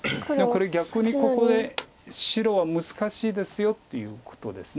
これ逆にここで白は難しいですよっていうことです。